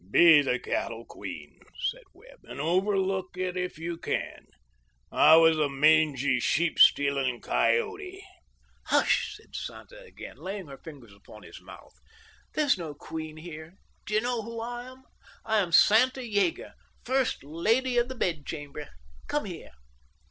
"Be the cattle queen," said Webb; "and overlook it if you can. I was a mangy, sheep stealing coyote." "Hush!" said Santa again, laying her fingers upon his mouth. "There's no queen here. Do you know who I am? I am Santa Yeager, First Lady of the Bedchamber. Come here."